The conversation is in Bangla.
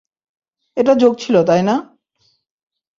এটা জোক ছিলো তাই না?